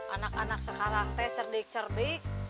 anak anak sekarang teh cerdik cerdik